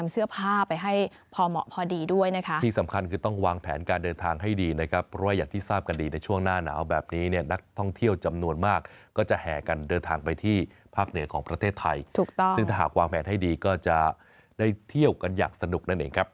ซึ่งถ้าหากวางแผนให้ดีก็จะได้เที่ยวกันอย่างสนุกนั่นเองครับ